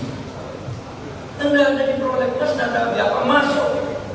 tidak ada di prolektas tidak ada apa apa masuk